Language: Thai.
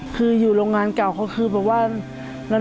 คืออยู่โรงงานเก่าเขาคือแบบว่า